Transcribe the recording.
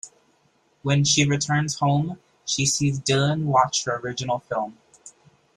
When she returns home, she sees Dylan watch her original film.